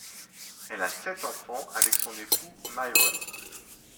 Elle a sept enfants avec son époux Myron.